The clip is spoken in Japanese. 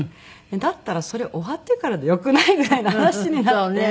だったらそれ終わってからでよくない？みたいな話になって。